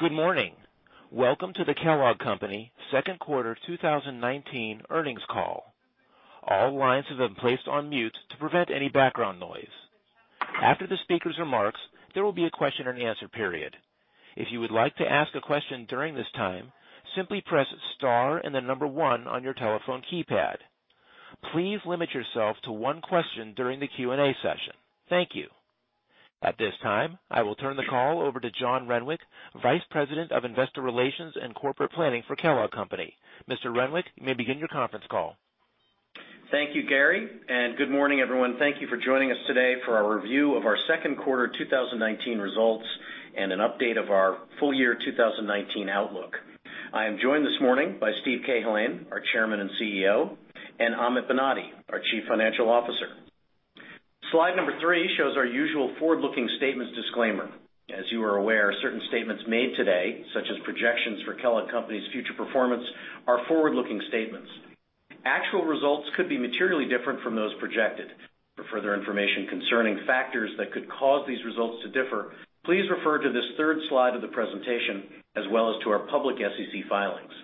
Good morning. Welcome to the Kellogg Company second quarter 2019 earnings call. All lines have been placed on mute to prevent any background noise. After the speaker's remarks, there will be a question and answer period. If you would like to ask a question during this time, simply press star and the number one on your telephone keypad. Please limit yourself to one question during the Q&A session. Thank you. At this time, I will turn the call over to John Renwick, Vice President of Investor Relations and Corporate Planning for Kellogg Company. Mr. Renwick, you may begin your conference call. Thank you, Gary, and good morning, everyone. Thank you for joining us today for our review of our second quarter 2019 results and an update of our full year 2019 outlook. I am joined this morning by Steve Cahillane, our Chairman and CEO, and Amit Banati, our Chief Financial Officer. Slide number three shows our usual forward-looking statements disclaimer. As you are aware, certain statements made today, such as projections for Kellogg Company's future performance, are forward-looking statements. Actual results could be materially different from those projected. For further information concerning factors that could cause these results to differ, please refer to this third slide of the presentation as well as to our public SEC filings.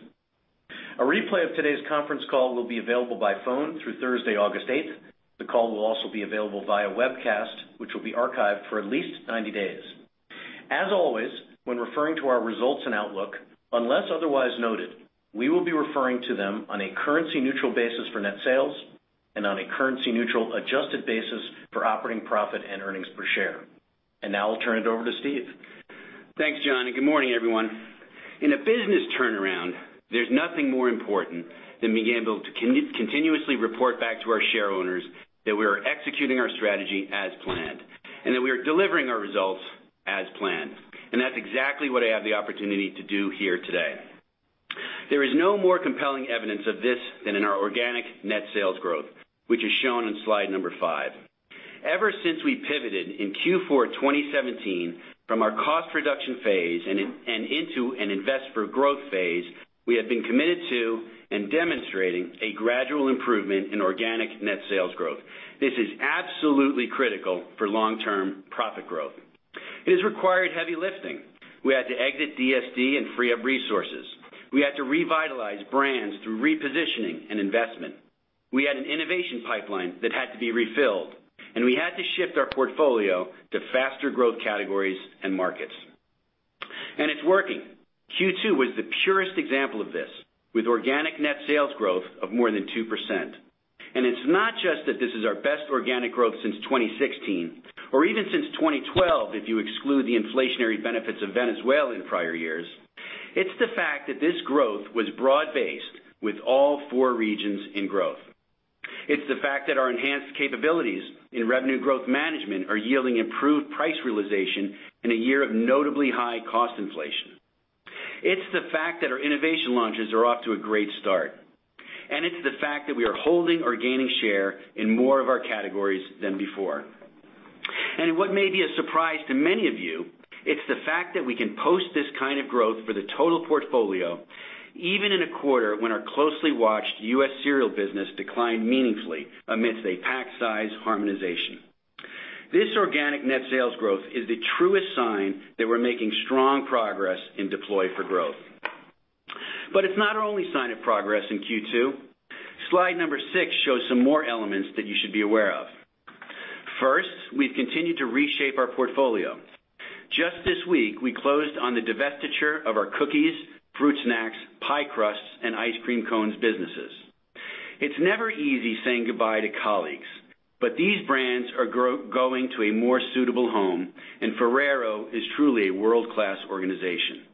A replay of today's conference call will be available by phone through Thursday, August eighth. The call will also be available via webcast, which will be archived for at least 90 days. As always, when referring to our results and outlook, unless otherwise noted, we will be referring to them on a currency neutral basis for net sales and on a currency neutral adjusted basis for operating profit and earnings per share. Now I'll turn it over to Steve. Thanks, John, good morning, everyone. In a business turnaround, there's nothing more important than being able to continuously report back to our shareholders that we are executing our strategy as planned, and that we are delivering our results as planned. That's exactly what I have the opportunity to do here today. There is no more compelling evidence of this than in our organic net sales growth, which is shown on slide number five. Ever since we pivoted in Q4 2017 from our cost reduction phase and into an invest for growth phase, we have been committed to and demonstrating a gradual improvement in organic net sales growth. This is absolutely critical for long-term profit growth. It has required heavy lifting. We had to exit DSD and free up resources. We had to revitalize brands through repositioning and investment. We had an innovation pipeline that had to be refilled, and we had to shift our portfolio to faster growth categories and markets. It's working. Q2 was the purest example of this, with organic net sales growth of more than 2%. It's not just that this is our best organic growth since 2016 or even since 2012, if you exclude the inflationary benefits of Venezuela in prior years, it's the fact that this growth was broad-based with all four regions in growth. It's the fact that our enhanced capabilities in revenue growth management are yielding improved price realization in a year of notably high cost inflation. It's the fact that our innovation launches are off to a great start, and it's the fact that we are holding or gaining share in more of our categories than before. What may be a surprise to many of you, it's the fact that we can post this kind of growth for the total portfolio, even in a quarter when our closely watched U.S. cereal business declined meaningfully amidst a pack size harmonization. This organic net sales growth is the truest sign that we're making strong progress in Deploy for Growth. It's not our only sign of progress in Q2. Slide number six shows some more elements that you should be aware of. First, we've continued to reshape our portfolio. Just this week, we closed on the divestiture of our cookies, fruit snacks, pie crusts, and ice cream cones businesses. It's never easy saying goodbye to colleagues, but these brands are going to a more suitable home, and Ferrero is truly a world-class organization.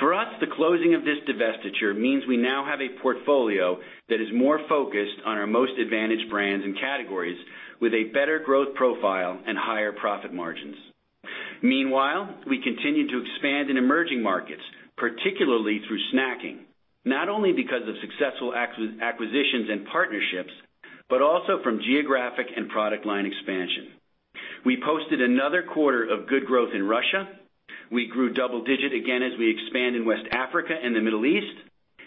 For us, the closing of this divestiture means we now have a portfolio that is more focused on our most advantaged brands and categories with a better growth profile and higher profit margins. Meanwhile, we continue to expand in emerging markets, particularly through snacking, not only because of successful acquisitions and partnerships, but also from geographic and product line expansion. We posted another quarter of good growth in Russia. We grew double digit again as we expand in West Africa and the Middle East,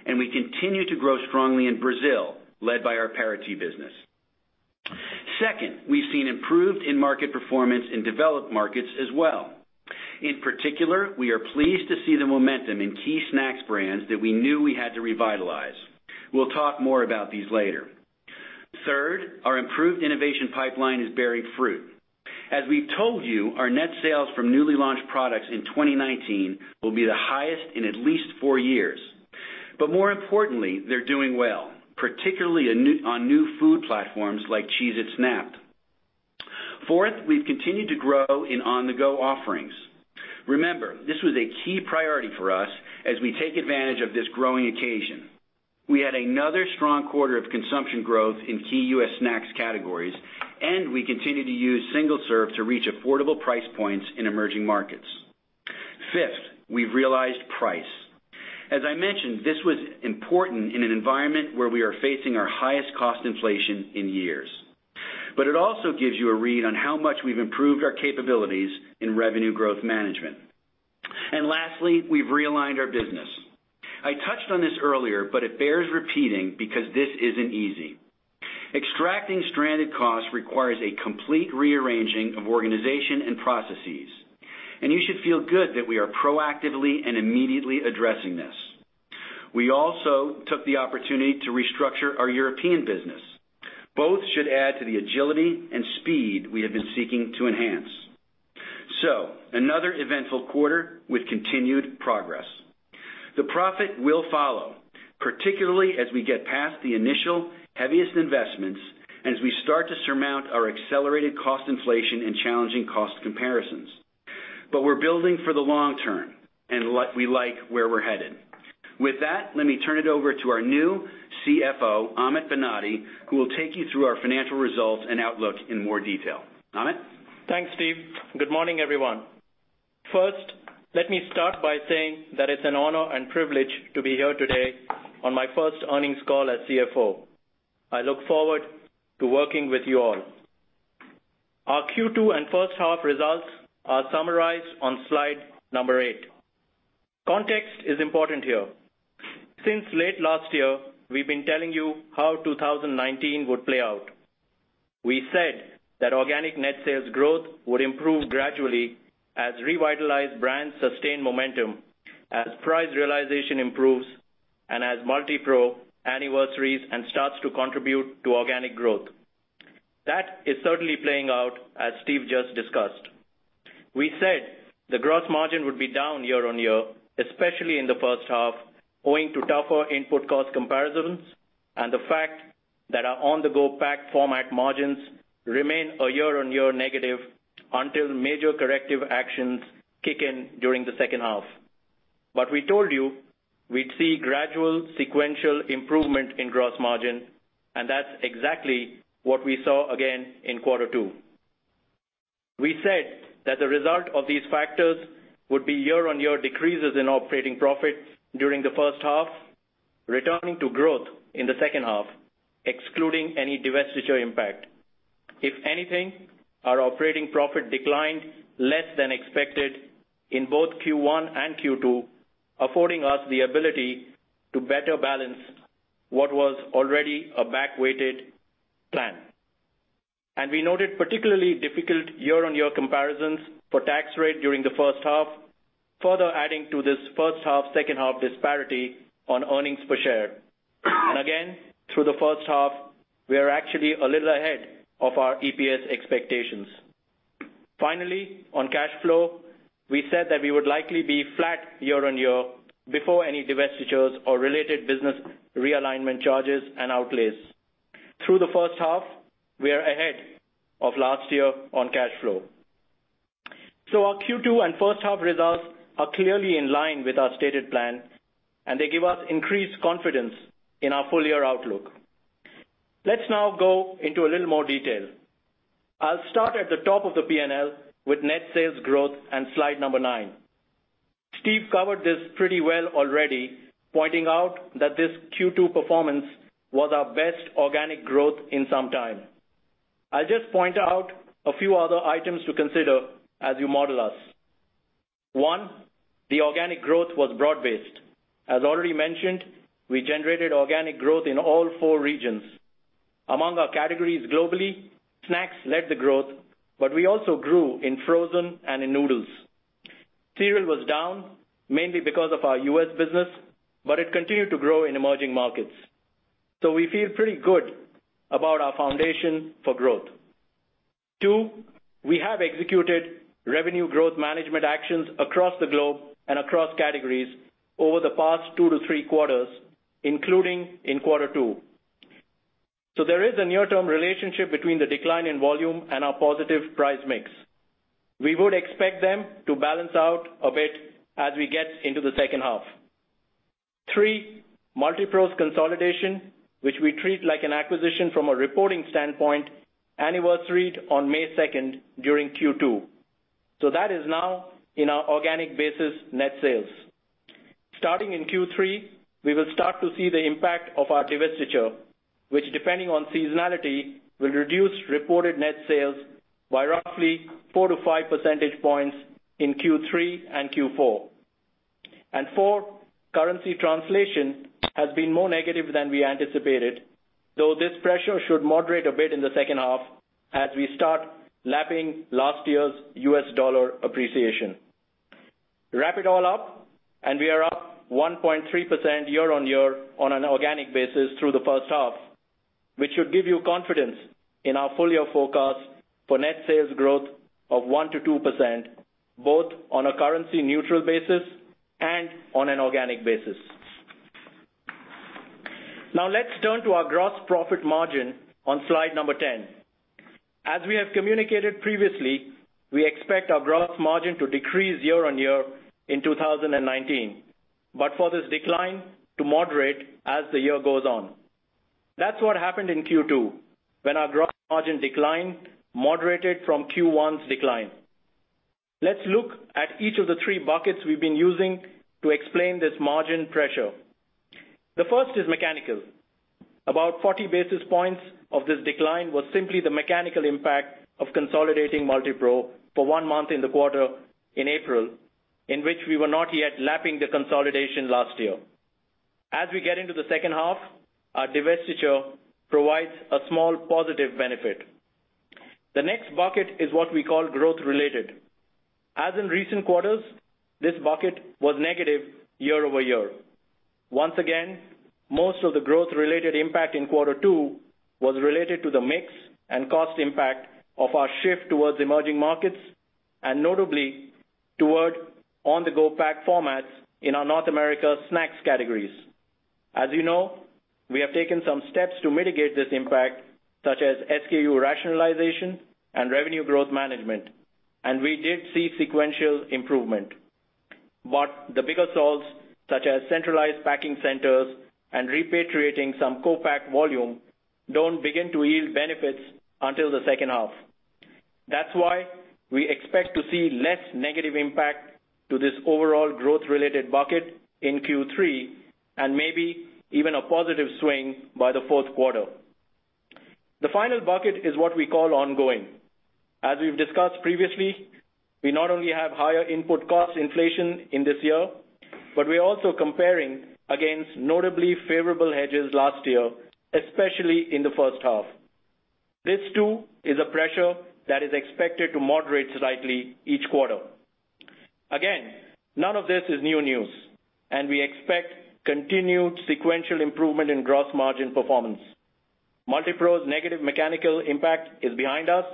and we continue to grow strongly in Brazil, led by our Parati business. Second, we've seen improved in-market performance in developed markets as well. In particular, we are pleased to see the momentum in key snacks brands that we knew we had to revitalize. We'll talk more about these later. Third, our improved innovation pipeline is bearing fruit. As we've told you, our net sales from newly launched products in 2019 will be the highest in at least four years. More importantly, they're doing well, particularly on new food platforms like Cheez-It Snap'd. Fourth, we've continued to grow in on-the-go offerings. Remember, this was a key priority for us as we take advantage of this growing occasion. We had another strong quarter of consumption growth in key U.S. snacks categories, and we continue to use single-serve to reach affordable price points in emerging markets. Fifth, we've realized price. As I mentioned, this was important in an environment where we are facing our highest cost inflation in years. It also gives you a read on how much we've improved our capabilities in revenue growth management. Lastly, we've realigned our business. I touched on this earlier, but it bears repeating because this isn't easy. Extracting stranded costs requires a complete rearranging of organization and processes, and you should feel good that we are proactively and immediately addressing this. We also took the opportunity to restructure our European business. Both should add to the agility and speed we have been seeking to enhance. Another eventful quarter with continued progress. The profit will follow, particularly as we get past the initial heaviest investments and as we start to surmount our accelerated cost inflation and challenging cost comparisons. We're building for the long term, and we like where we're headed. With that, let me turn it over to our new CFO, Amit Banati, who will take you through our financial results and outlook in more detail. Amit? Thanks, Steve. Good morning, everyone. First, let me start by saying that it's an honor and privilege to be here today on my first earnings call as CFO. I look forward to working with you all. Our Q2 and first half results are summarized on slide number eight. Context is important here. Since late last year, we've been telling you how 2019 would play out. We said that organic net sales growth would improve gradually as revitalized brands sustain momentum, as price realization improves, and as Multipro anniversaries and starts to contribute to organic growth. That is certainly playing out, as Steve just discussed. We said the gross margin would be down year-on-year, especially in the first half, owing to tougher input cost comparisons and the fact that our on-the-go pack format margins remain a year-on-year negative until major corrective actions kick in during the second half. We told you we'd see gradual sequential improvement in gross margin, and that's exactly what we saw again in quarter two. We said that the result of these factors would be year-on-year decreases in operating profits during the first half, returning to growth in the second half, excluding any divestiture impact. If anything, our operating profit declined less than expected in both Q1 and Q2, affording us the ability to better balance what was already a back-weighted plan. We noted particularly difficult year-on-year comparisons for tax rate during the first half, further adding to this first half-second half disparity on earnings per share. Again, through the first half, we are actually a little ahead of our EPS expectations. Finally, on cash flow, we said that we would likely be flat year-on-year before any divestitures or related business realignment charges and outlays. Through the first half, we are ahead of last year on cash flow. Our Q2 and first half results are clearly in line with our stated plan, and they give us increased confidence in our full-year outlook. Let's now go into a little more detail. I'll start at the top of the P&L with net sales growth and slide number nine. Steve covered this pretty well already, pointing out that this Q2 performance was our best organic growth in some time. I'll just point out a few other items to consider as you model us. One, the organic growth was broad-based. As already mentioned, we generated organic growth in all four regions. Among our categories globally, snacks led the growth, but we also grew in frozen and in noodles. Cereal was down mainly because of our U.S. business, but it continued to grow in emerging markets. We feel pretty good about our foundation for growth. Two, we have executed revenue growth management actions across the globe and across categories over the past two to three quarters, including in quarter two. There is a near-term relationship between the decline in volume and our positive price mix. We would expect them to balance out a bit as we get into the second half. Three, Multipro's consolidation, which we treat like an acquisition from a reporting standpoint, anniversaried on May 2nd during Q2. That is now in our organic basis net sales. Starting in Q3, we will start to see the impact of our divestiture, which, depending on seasonality, will reduce reported net sales by roughly four to five percentage points in Q3 and Q4. Four, currency translation has been more negative than we anticipated, though this pressure should moderate a bit in the second half as we start lapping last year's U.S. dollar appreciation. Wrap it all up and we are up 1.3% year-on-year on an organic basis through the first half, which should give you confidence in our full-year forecast for net sales growth of 1%-2%, both on a currency-neutral basis and on an organic basis. Now let's turn to our gross profit margin on slide number 10. As we have communicated previously, we expect our gross margin to decrease year-on-year in 2019, but for this decline to moderate as the year goes on. That's what happened in Q2 when our gross margin decline moderated from Q1's decline. Let's look at each of the three buckets we've been using to explain this margin pressure. The first is mechanical. About 40 basis points of this decline was simply the mechanical impact of consolidating Multipro for one month in the quarter in April. In which we were not yet lapping the consolidation last year. As we get into the second half, our divestiture provides a small positive benefit. The next bucket is what we call growth-related. As in recent quarters, this bucket was negative year-over-year. Once again, most of the growth-related impact in quarter two was related to the mix and cost impact of our shift towards emerging markets, and notably, toward on-the-go pack formats in our North America snacks categories. As you know, we have taken some steps to mitigate this impact, such as SKU rationalization and revenue growth management, and we did see sequential improvement. The bigger solves, such as centralized packing centers and repatriating some co-pack volume, don't begin to yield benefits until the second half. That's why we expect to see less negative impact to this overall growth-related bucket in Q3, and maybe even a positive swing by the fourth quarter. The final bucket is what we call ongoing. As we've discussed previously, we not only have higher input cost inflation in this year, but we're also comparing against notably favorable hedges last year, especially in the first half. This, too, is a pressure that is expected to moderate slightly each quarter. Again, none of this is new news, and we expect continued sequential improvement in gross margin performance. Multipro's negative mechanical impact is behind us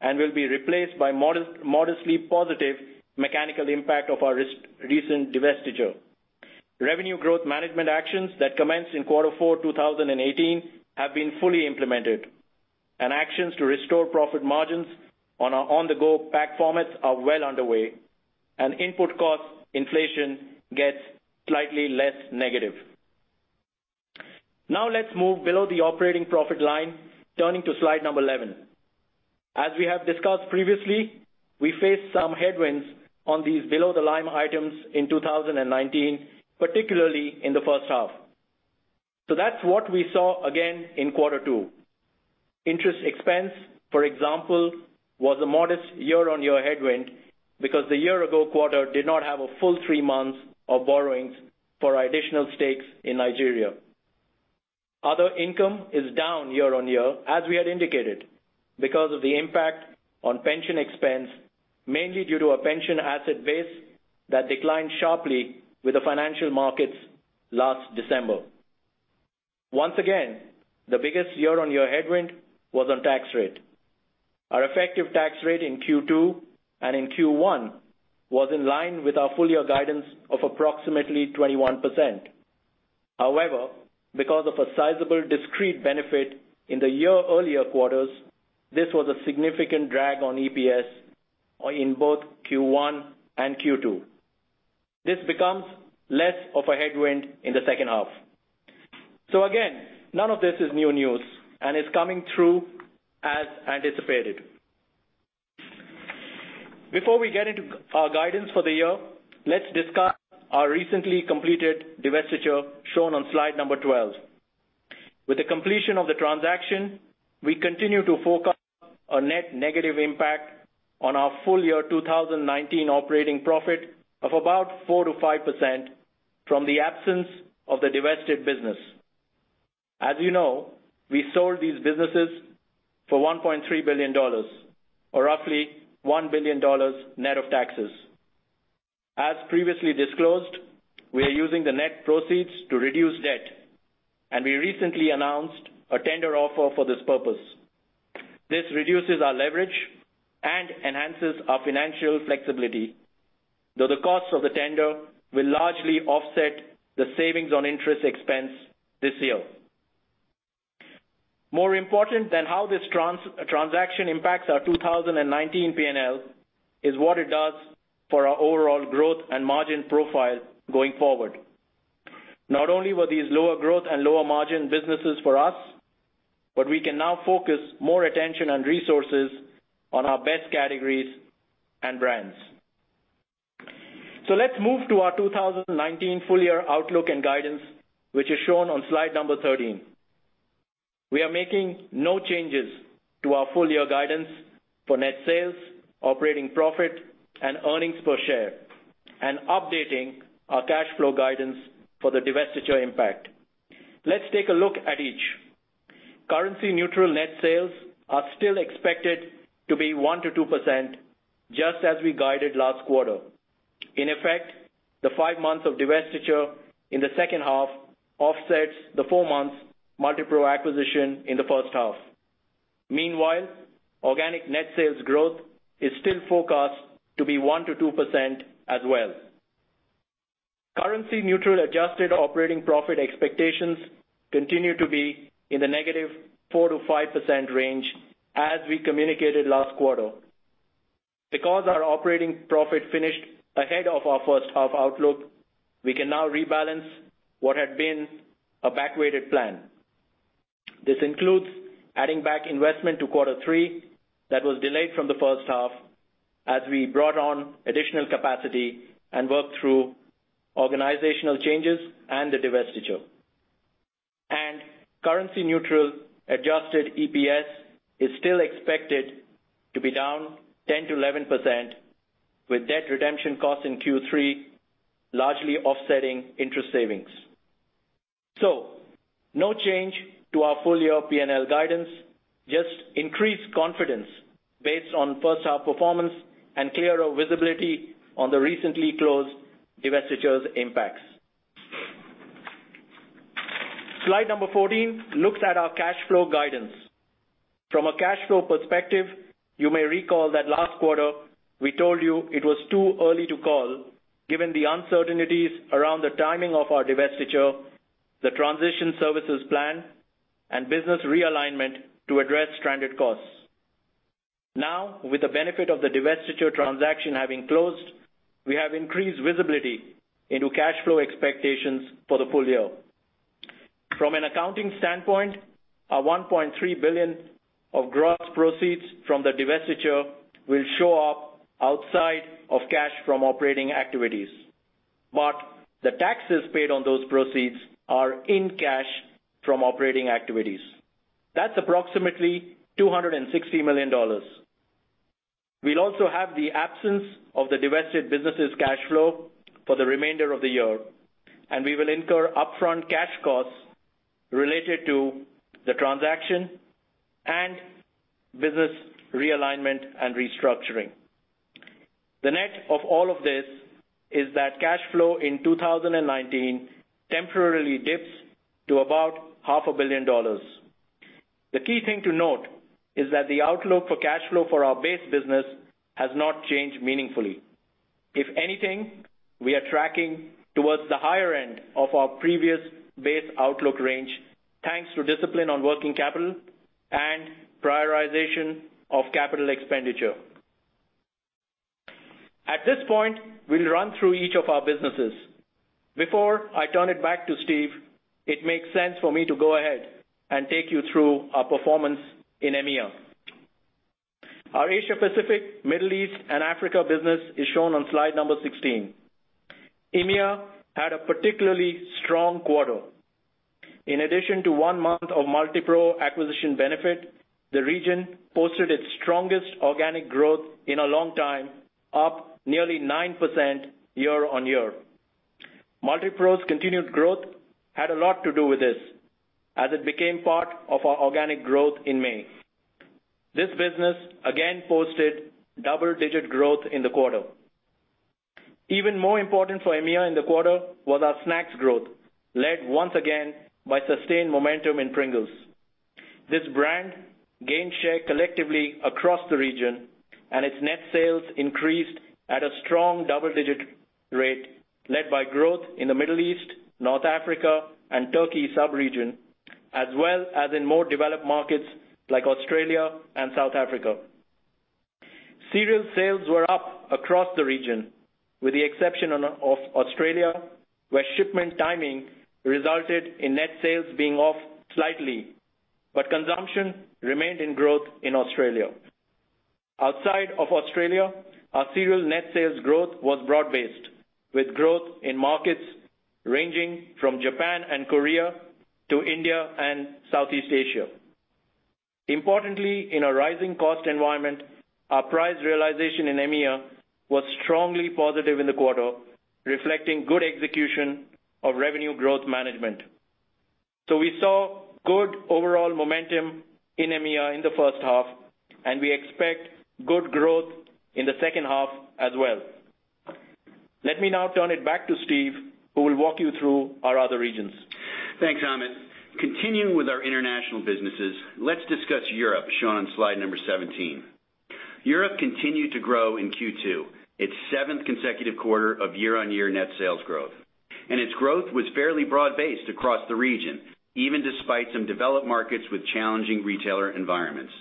and will be replaced by modestly positive mechanical impact of our recent divestiture. Revenue growth management actions that commenced in quarter four 2018 have been fully implemented. Actions to restore profit margins on our on-the-go pack formats are well underway. Input cost inflation gets slightly less negative. Now let's move below the operating profit line, turning to slide number 11. As we have discussed previously, we face some headwinds on these below-the-line items in 2019, particularly in the first half. That's what we saw again in quarter two. Interest expense, for example, was a modest year-on-year headwind because the year-ago quarter did not have a full three months of borrowings for additional stakes in Nigeria. Other income is down year-on-year, as we had indicated, because of the impact on pension expense, mainly due to a pension asset base that declined sharply with the financial markets last December. Once again, the biggest year-on-year headwind was on tax rate. Our effective tax rate in Q2 and in Q1 was in line with our full-year guidance of approximately 21%. Because of a sizable discrete benefit in the year-earlier quarters, this was a significant drag on EPS in both Q1 and Q2. This becomes less of a headwind in the second half. Again, none of this is new news and is coming through as anticipated. Before we get into our guidance for the year, let's discuss our recently completed divestiture shown on slide number 12. With the completion of the transaction, we continue to forecast a net negative impact on our full-year 2019 operating profit of about 4% to 5% from the absence of the divested business. As you know, we sold these businesses for $1.3 billion, or roughly $1 billion net of taxes. As previously disclosed, we are using the net proceeds to reduce debt, and we recently announced a tender offer for this purpose. This reduces our leverage and enhances our financial flexibility, though the cost of the tender will largely offset the savings on interest expense this year. More important than how this transaction impacts our 2019 P&L is what it does for our overall growth and margin profile going forward. Not only were these lower growth and lower margin businesses for us, but we can now focus more attention and resources on our best categories and brands. Let's move to our 2019 full-year outlook and guidance, which is shown on slide number 13. We are making no changes to our full-year guidance for net sales, operating profit, and earnings per share, and updating our cash flow guidance for the divestiture impact. Let's take a look at each. Currency-neutral net sales are still expected to be 1% to 2%, just as we guided last quarter. In effect, the five months of divestiture in the second half offsets the four-month Multipro acquisition in the first half. Meanwhile, organic net sales growth is still forecast to be 1% to 2% as well. Currency-neutral adjusted operating profit expectations continue to be in the -4% to -5% range as we communicated last quarter. Because our operating profit finished ahead of our first-half outlook, we can now rebalance what had been a backweighted plan. This includes adding back investment to quarter three that was delayed from the first half as we brought on additional capacity and worked through organizational changes and the divestiture. Currency-neutral adjusted EPS is still expected to be down 10% to 11%, with debt redemption costs in Q3 largely offsetting interest savings. No change to our full-year P&L guidance, just increased confidence based on first half performance and clearer visibility on the recently closed divestitures impacts. Slide number 14 looks at our cash flow guidance. From a cash flow perspective, you may recall that last quarter we told you it was too early to call, given the uncertainties around the timing of our divestiture, the transition services plan, and business realignment to address stranded costs. Now, with the benefit of the divestiture transaction having closed, we have increased visibility into cash flow expectations for the full year. From an accounting standpoint, our $1.3 billion of gross proceeds from the divestiture will show up outside of cash from operating activities. The taxes paid on those proceeds are in cash from operating activities. That's approximately $260 million. We'll also have the absence of the divested businesses cash flow for the remainder of the year, and we will incur upfront cash costs related to the transaction and business realignment and restructuring. The net of all of this is that cash flow in 2019 temporarily dips to about $0.5 billion. The key thing to note is that the outlook for cash flow for our base business has not changed meaningfully. If anything, we are tracking towards the higher end of our previous base outlook range, thanks to discipline on working capital and prioritization of capital expenditure. At this point, we'll run through each of our businesses. Before I turn it back to Steve, it makes sense for me to go ahead and take you through our performance in AMEA. Our Asia Pacific, Middle East, and Africa business is shown on slide number 16. AMEA had a particularly strong quarter. In addition to one month of Multipro acquisition benefit, the region posted its strongest organic growth in a long time, up nearly 9% year-on-year. Multipro's continued growth had a lot to do with this, as it became part of our organic growth in May. This business again posted double-digit growth in the quarter. Even more important for AMEA in the quarter was our snacks growth, led once again by sustained momentum in Pringles. This brand gained share collectively across the region, and its net sales increased at a strong double-digit rate, led by growth in the Middle East, North Africa and Turkey sub-region, as well as in more developed markets like Australia and South Africa. Cereal sales were up across the region, with the exception of Australia, where shipment timing resulted in net sales being off slightly, but consumption remained in growth in Australia. Outside of Australia, our cereal net sales growth was broad-based, with growth in markets ranging from Japan and Korea to India and Southeast Asia. Importantly, in a rising cost environment, our price realization in AMEA was strongly positive in the quarter, reflecting good execution of revenue growth management. We saw good overall momentum in AMEA in the first half, and we expect good growth in the second half as well. Let me now turn it back to Steve, who will walk you through our other regions. Thanks, Amit. Continuing with our international businesses, let's discuss Europe, shown on slide number 17. Europe continued to grow in Q2, its seventh consecutive quarter of year-on-year net sales growth. Its growth was fairly broad-based across the region, even despite some developed markets with challenging retailer environments.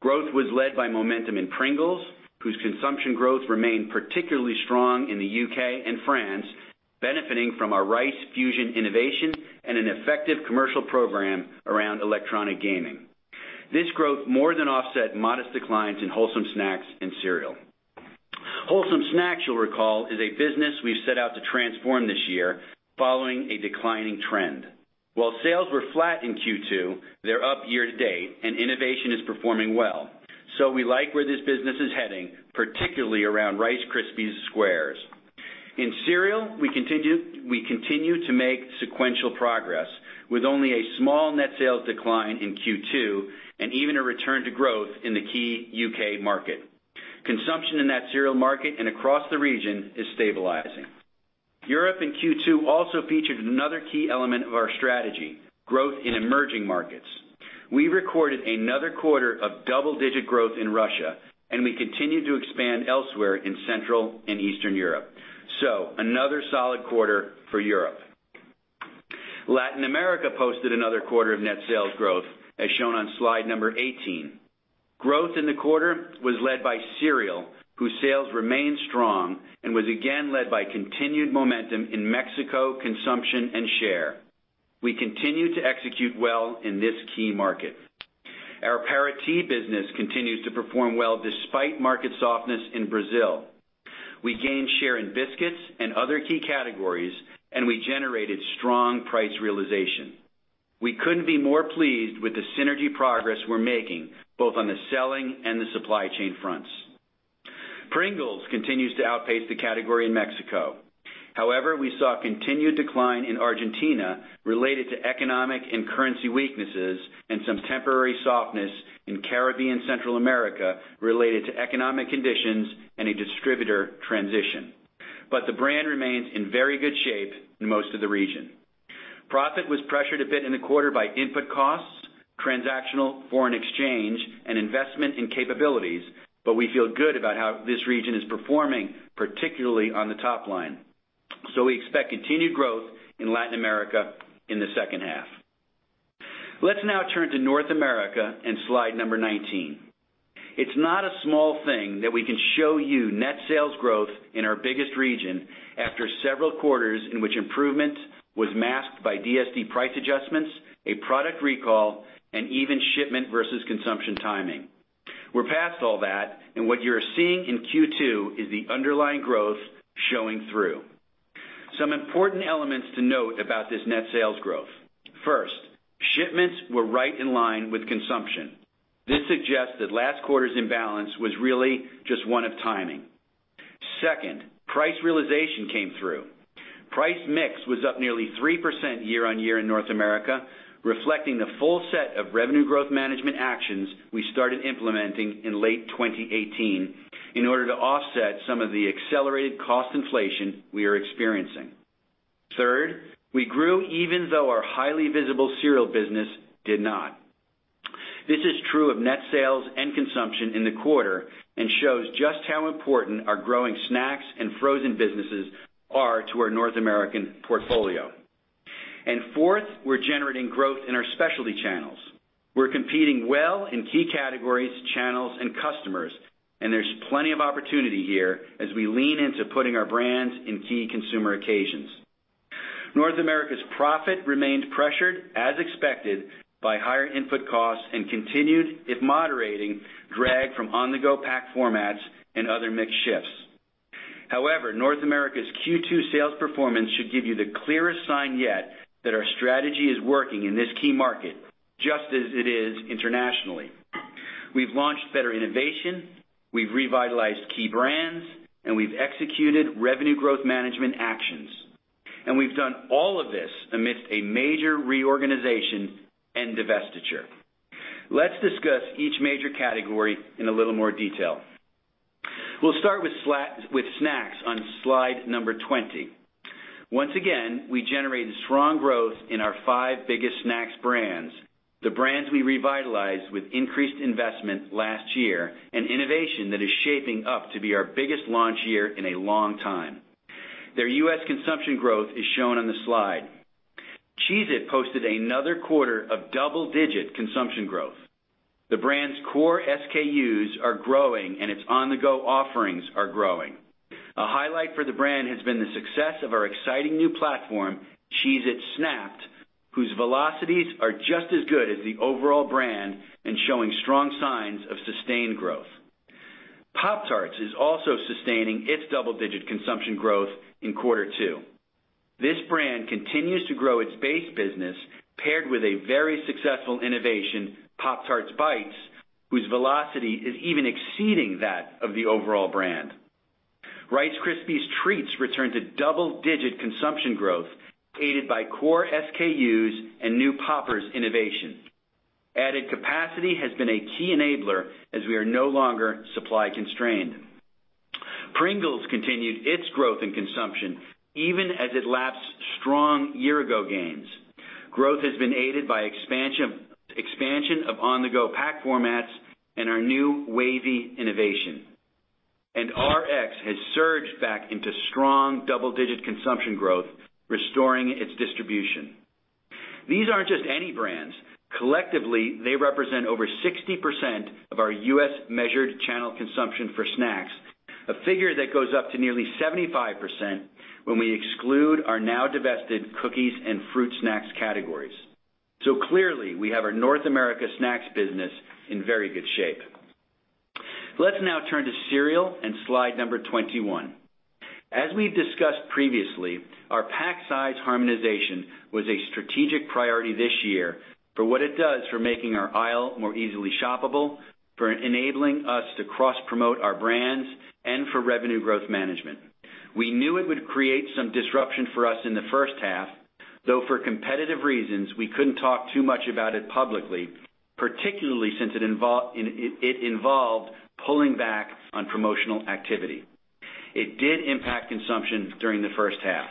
Growth was led by momentum in Pringles, whose consumption growth remained particularly strong in the U.K. and France, benefiting from our Rice Fusion innovation and an effective commercial program around electronic gaming. This growth more than offset modest declines in wholesome snacks and cereal. Wholesome snacks you'll recall, is a business we've set out to transform this year following a declining trend. While sales were flat in Q2, they're up year to date and innovation is performing well. We like where this business is heading, particularly around Rice Krispies Squares. In cereal, we continue to make sequential progress with only a small net sales decline in Q2 and even a return to growth in the key U.K. market. Consumption in that cereal market and across the region is stabilizing. Europe in Q2 also featured another key element of our strategy, growth in emerging markets. We recorded another quarter of double-digit growth in Russia, and we continue to expand elsewhere in Central and Eastern Europe. Another solid quarter for Europe. Latin America posted another quarter of net sales growth as shown on slide number 18. Growth in the quarter was led by cereal, whose sales remained strong and was again led by continued momentum in Mexico consumption and share. We continue to execute well in this key market. Our Parati business continues to perform well despite market softness in Brazil. We gained share in biscuits and other key categories, and we generated strong price realization. We couldn't be more pleased with the synergy progress we're making both on the selling and the supply chain fronts. Pringles continues to outpace the category in Mexico. However, we saw continued decline in Argentina related to economic and currency weaknesses and some temporary softness in Caribbean Central America related to economic conditions and a distributor transition. The brand remains in very good shape in most of the region. Profit was pressured a bit in the quarter by input costs, transactional foreign exchange, and investment in capabilities, but we feel good about how this region is performing, particularly on the top line. We expect continued growth in Latin America in the second half. Let's now turn to North America and slide number 19. It's not a small thing that we can show you net sales growth in our biggest region after several quarters in which improvement was masked by DSD price adjustments, a product recall, and even shipment versus consumption timing. We're past all that, and what you're seeing in Q2 is the underlying growth showing through. Some important elements to note about this net sales growth. First, shipments were right in line with consumption. This suggests that last quarter's imbalance was really just one of timing. Second, price realization came through. Price mix was up nearly 3% year-on-year in North America, reflecting the full set of revenue growth management actions we started implementing in late 2018 in order to offset some of the accelerated cost inflation we are experiencing. Third, we grew even though our highly visible cereal business did not. This is true of net sales and consumption in the quarter and shows just how important our growing snacks and frozen businesses are to our North American portfolio. Fourth, we're generating growth in our specialty channels. We're competing well in key categories, channels, and customers, and there's plenty of opportunity here as we lean into putting our brands in key consumer occasions. North America's profit remained pressured, as expected, by higher input costs and continued, if moderating, drag from on-the-go pack formats and other mix shifts. However, North America's Q2 sales performance should give you the clearest sign yet that our strategy is working in this key market, just as it is internationally. We've launched better innovation, we've revitalized key brands, and we've executed revenue growth management actions. We've done all of this amidst a major reorganization and divestiture. Let's discuss each major category in a little more detail. We'll start with snacks on slide number 20. Once again, we generated strong growth in our five biggest snacks brands, the brands we revitalized with increased investment last year, an innovation that is shaping up to be our biggest launch year in a long time. Their U.S. consumption growth is shown on the slide. Cheez-It posted another quarter of double-digit consumption growth. The brand's core SKUs are growing and its on-the-go offerings are growing. A highlight for the brand has been the success of our exciting new platform, Cheez-It Snap'd, whose velocities are just as good as the overall brand and showing strong signs of sustained growth. Pop-Tarts is also sustaining its double-digit consumption growth in quarter 2. This brand continues to grow its base business paired with a very successful innovation, Pop-Tarts Bites, whose velocity is even exceeding that of the overall brand. Rice Krispies Treats returned to double-digit consumption growth, aided by core SKUs and new poppers innovation. Added capacity has been a key enabler as we are no longer supply constrained. Pringles continued its growth in consumption even as it lapsed strong year-ago gains. Growth has been aided by expansion of on-the-go pack formats and our new wavy innovation. Rx has surged back into strong double-digit consumption growth, restoring its distribution. These aren't just any brands. Collectively, they represent over 60% of our U.S. measured channel consumption for snacks, a figure that goes up to nearly 75% when we exclude our now divested cookies and fruit snacks categories. Clearly, we have our North America snacks business in very good shape. Let's now turn to cereal and slide number 21. As we discussed previously, our pack size harmonization was a strategic priority this year for what it does for making our aisle more easily shoppable, for enabling us to cross-promote our brands, and for revenue growth management. We knew it would create some disruption for us in the first half, though for competitive reasons, we couldn't talk too much about it publicly, particularly since it involved pulling back on promotional activity. It did impact consumption during the first half.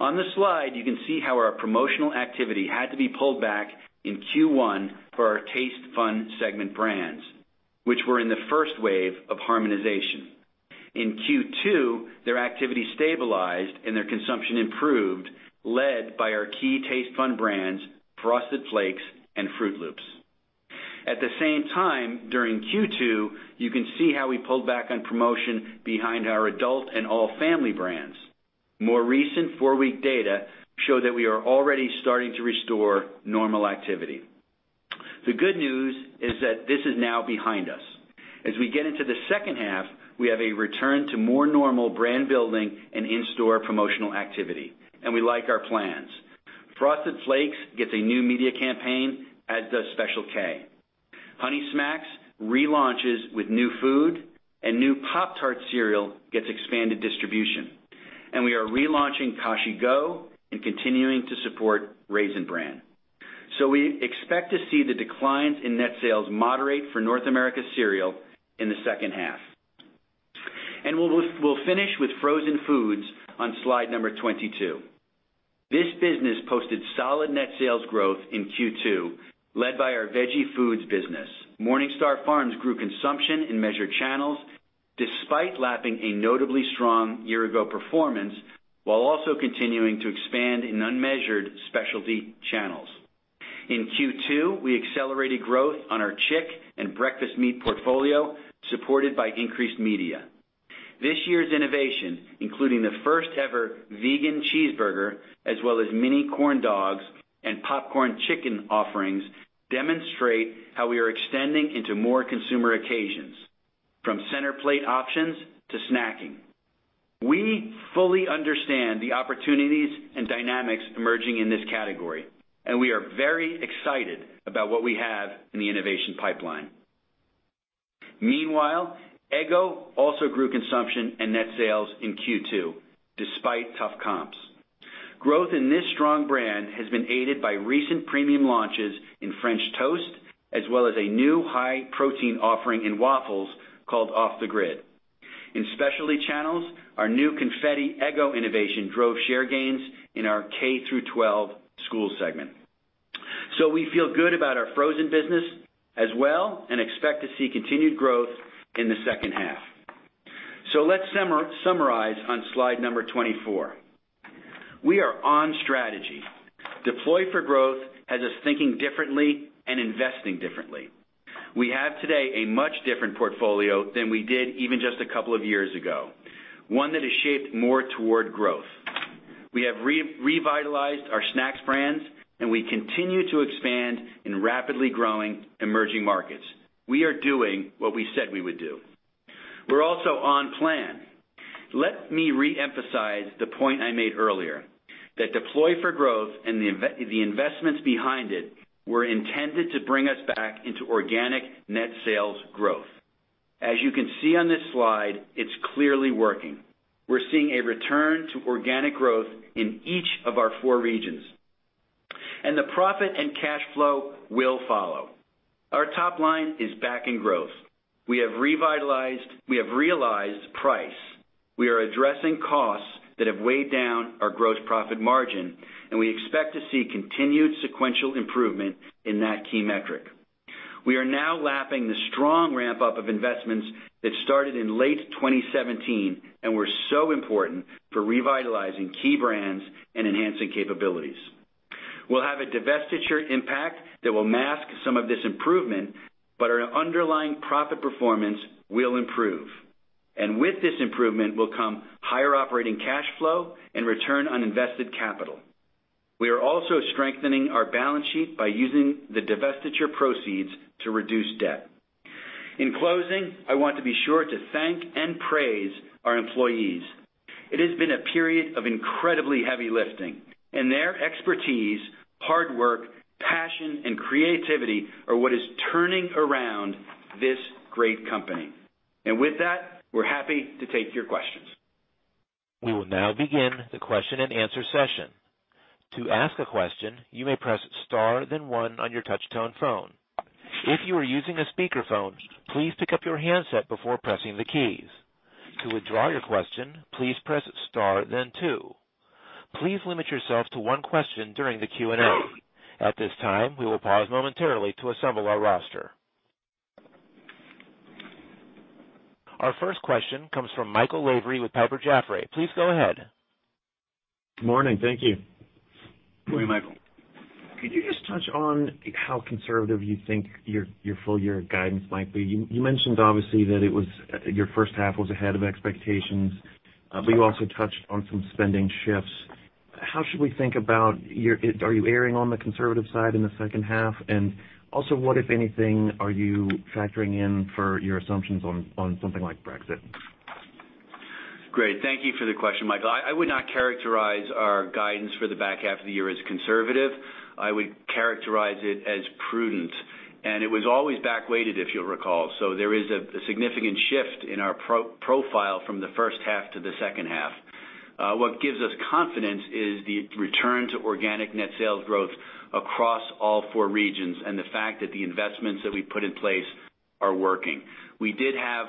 On this slide, you can see how our promotional activity had to be pulled back in Q1 for our Taste Fun segment brands, which were in the first wave of harmonization. In Q2, their activity stabilized and their consumption improved, led by our key Taste Fun brands, Frosted Flakes and Froot Loops. At the same time, during Q2, you can see how we pulled back on promotion behind our adult and all family brands. More recent four-week data show that we are already starting to restore normal activity. The good news is that this is now behind us. As we get into the second half, we have a return to more normal brand building and in-store promotional activity, and we like our plans. Frosted Flakes gets a new media campaign, as does Special K. Honey Smacks relaunches with new food and new Pop-Tarts Cereal gets expanded distribution. We are relaunching Kashi GO and continuing to support Raisin Bran. We expect to see the declines in net sales moderate for North America Cereal in the second half. We'll finish with frozen foods on slide number 22. This business posted solid net sales growth in Q2, led by our veggie foods business. MorningStar Farms grew consumption in measured channels despite lapping a notably strong year-ago performance, while also continuing to expand in unmeasured specialty channels. In Q2, we accelerated growth on our chick and breakfast meat portfolio, supported by increased media. This year's innovation, including the first-ever vegan cheeseburger as well as mini corn dogs and popcorn chicken offerings, demonstrate how we are extending into more consumer occasions, from center plate options to snacking. We fully understand the opportunities and dynamics emerging in this category, and we are very excited about what we have in the innovation pipeline. Meanwhile, Eggo also grew consumption and net sales in Q2, despite tough comps. Growth in this strong brand has been aided by recent premium launches in French toast, as well as a new high-protein offering in waffles called Off the Grid. In specialty channels, our new Confetti Eggo innovation drove share gains in our K-12 school segment. We feel good about our frozen business as well and expect to see continued growth in the second half. Let's summarize on slide number 24. We are on strategy. Deploy for Growth has us thinking differently and investing differently. We have today a much different portfolio than we did even just a couple of years ago, one that is shaped more toward growth. We have revitalized our snacks brands, we continue to expand in rapidly growing emerging markets. We are doing what we said we would do. We're also on plan. Let me reemphasize the point I made earlier, that Deploy for Growth and the investments behind it were intended to bring us back into organic net sales growth. As you can see on this slide, it's clearly working. We're seeing a return to organic growth in each of our four regions. The profit and cash flow will follow. Our top line is back in growth. We have realized price. We are addressing costs that have weighed down our gross profit margin, and we expect to see continued sequential improvement in that key metric. We are now lapping the strong ramp-up of investments that started in late 2017 and were so important for revitalizing key brands and enhancing capabilities. We'll have a divestiture impact that will mask some of this improvement, but our underlying profit performance will improve. With this improvement will come higher operating cash flow and return on invested capital. We are also strengthening our balance sheet by using the divestiture proceeds to reduce debt. In closing, I want to be sure to thank and praise our employees. It has been a period of incredibly heavy lifting, and their expertise, hard work, passion, and creativity are what is turning around this great company. With that, we're happy to take your questions. We will now begin the question and answer session. To ask a question, you may press star then one on your touch tone phone. If you are using a speakerphone, please pick up your handset before pressing the keys. To withdraw your question, please press star then two. Please limit yourself to one question during the Q&A. At this time, we will pause momentarily to assemble our roster. Our first question comes from Michael Lavery with Piper Jaffray. Please go ahead. Morning. Thank you. Morning, Michael. Could you just touch on how conservative you think your full year guidance might be? You mentioned obviously that your first half was ahead of expectations, but you also touched on some spending shifts. How should we think about are you erring on the conservative side in the second half? Also, what, if anything, are you factoring in for your assumptions on something like Brexit? Great. Thank you for the question, Michael. I would not characterize our guidance for the back half of the year as conservative. I would characterize it as prudent, and it was always back weighted, if you'll recall. There is a significant shift in our profile from the first half to the second half. What gives us confidence is the return to organic net sales growth across all four regions and the fact that the investments that we put in place are working. We did have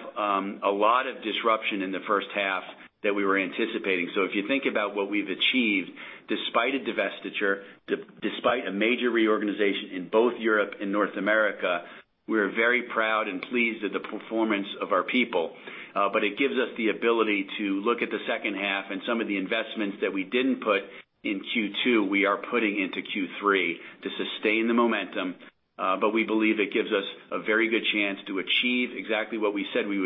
a lot of disruption in the first half that we were anticipating. If you think about what we've achieved despite a divestiture, despite a major reorganization in both Europe and North America, we're very proud and pleased at the performance of our people. It gives us the ability to look at the second half and some of the investments that we didn't put in Q2, we are putting into Q3 to sustain the momentum, but we believe it gives us a very good chance to achieve exactly what we said we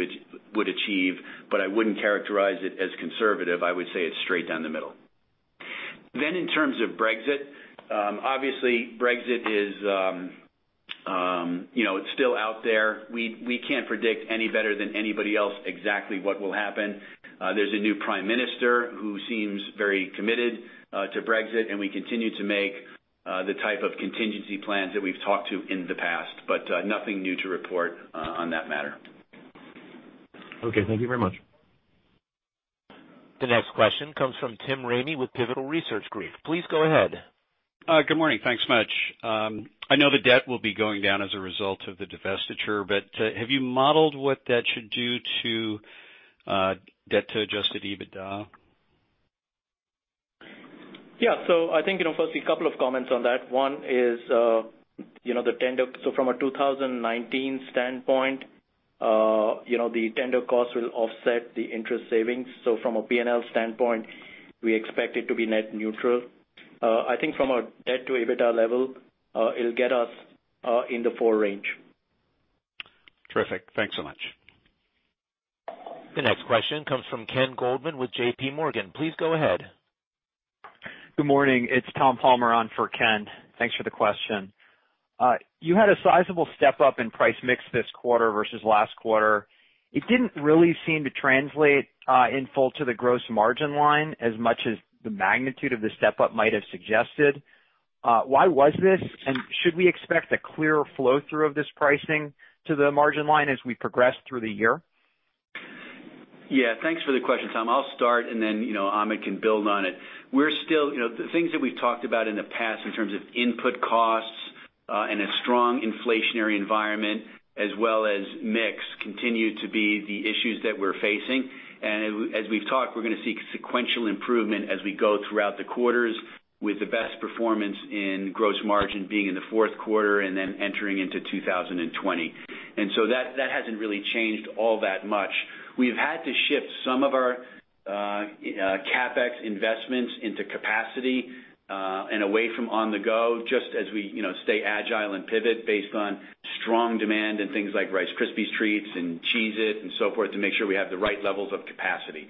would achieve. I wouldn't characterize it as conservative. I would say it's straight down the middle. In terms of Brexit, obviously Brexit, it's still out there. We can't predict any better than anybody else exactly what will happen. There's a new prime minister who seems very committed to Brexit, and we continue to make the type of contingency plans that we've talked to in the past, but nothing new to report on that matter. Okay, thank you very much. The next question comes from Tim Ramey with Pivotal Research Group. Please go ahead. Good morning. Thanks much. I know the debt will be going down as a result of the divestiture, but have you modeled what that should do to debt to adjusted EBITDA? Yeah. I think, firstly, a couple of comments on that. One is, so from a 2019 standpoint, the tender costs will offset the interest savings. From a P&L standpoint, we expect it to be net neutral. I think from a debt to EBITDA level, it'll get us in the four range. Terrific. Thanks so much. The next question comes from Ken Goldman with JPMorgan. Please go ahead. Good morning. It's Tom Palmer on for Ken. Thanks for the question. You had a sizable step-up in price mix this quarter versus last quarter. It didn't really seem to translate in full to the gross margin line as much as the magnitude of the step-up might have suggested. Why was this, and should we expect a clearer flow through of this pricing to the margin line as we progress through the year? Yeah. Thanks for the question, Tom. I'll start, and then Amit can build on it. The things that we've talked about in the past in terms of input costs, and a strong inflationary environment as well as mix continue to be the issues that we're facing. As we've talked, we're going to see sequential improvement as we go throughout the quarters with the best performance in gross margin being in the fourth quarter and then entering into 2020. That hasn't really changed all that much. We've had to shift some of our CapEx investments into capacity, and away from on-the-go, just as we stay agile and pivot based on strong demand and things like Rice Krispies Treats and Cheez-It and so forth, to make sure we have the right levels of capacity.